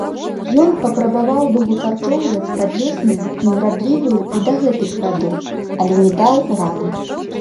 Ён папрабаваў быў выкарчоўваць падлесную неўрадлівую і дагэтуль граду, але не даў рады.